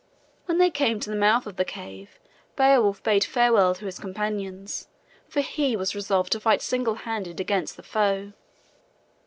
When they came to the mouth of the cave Beowulf bade farewell to his companions, for he was resolved to fight single handed against the foe.